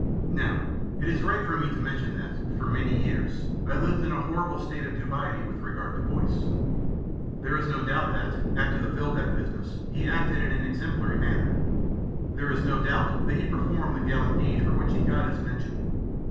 Now, it is right for me to mention that, for many years, I lived in a horrible state of dubiety with regard to Boyce. There is no doubt that, after the Vilboek business, he acted in an exemplary manner; there is no doubt that he performed the gallant deed for which he got his mention.